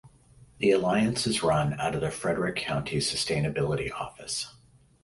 The alliance is run out of the Frederick County Sustainability Office.